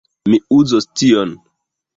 Mi uzos tion.